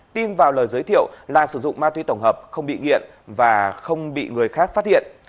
tin vào lời giới thiệu là sử dụng ma túy tổng hợp không bị nghiện và không bị người khác phát hiện